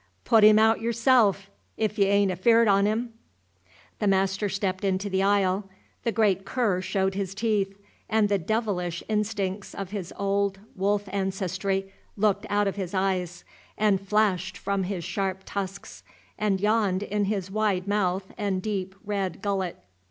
"Put him aout y'rself, 'f ye a'n't afeard on him!" The master stepped into the aisle: The great cur showed his teeth, and the devilish instincts of his old wolf ancestry looked out of his eyes, and flashed from his sharp tusks, and yawned in his wide mouth and deep red gullet.